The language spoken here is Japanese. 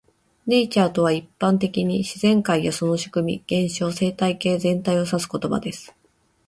"Nature" とは、一般的に自然界やその仕組み、現象、生態系全体を指す言葉です。